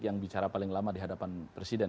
yang bicara paling lama dihadapan presiden